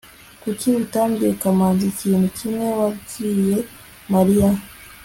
kuki utabwiye kamanzi ikintu kimwe wabwiye mariya